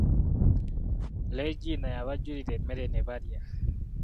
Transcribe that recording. Leegina yabajjulira emmere ne balya.